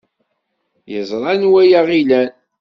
Yeẓra anwa ay aɣ-ilan.